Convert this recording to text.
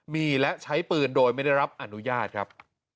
มีและใช้ปืนโดยไม่ได้รับอนุญาตครับ